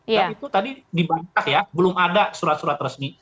dan itu tadi diberitah ya belum ada surat surat resmi